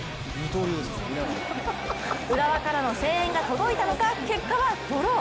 浦和からの声援が届いたのか結果はドロー。